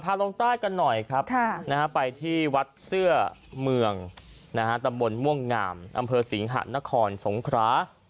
ลงใต้กันหน่อยครับไปที่วัดเสื้อเมืองตำบลม่วงงามอำเภอสิงหะนครสงครา